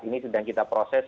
ini sedang kita proses